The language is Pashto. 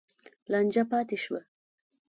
لانجه پاتې شوه.